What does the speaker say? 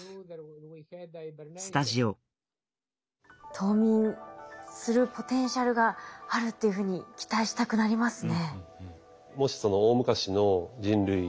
冬眠するポテンシャルがあるっていうふうに期待したくなりますね。